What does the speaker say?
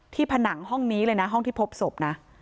ผนังห้องนี้เลยนะห้องที่พบศพนะ